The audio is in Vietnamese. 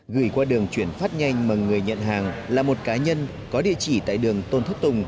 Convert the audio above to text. gửi qua đường chuyển phát nhanh mà người nhận hàng là một cá nhân có địa chỉ tại đường tôn thất tùng